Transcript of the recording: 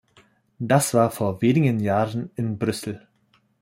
Das war vor wenigen Jahren in Brüssel.